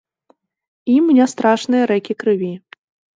Ім не страшныя рэкі крыві.